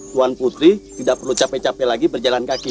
tuan putri tidak perlu capek capek lagi berjalan kaki